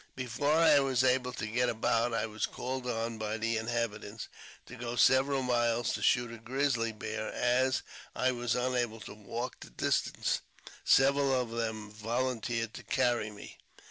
Before I was able to get about, I was called on by the inhabitants to go several miles to shoot a grizzly bear, and as I was unable to walk the distance, several of them volunteered to carry me.